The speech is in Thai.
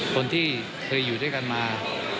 คนที่เคยอยู่ด้วยกันมา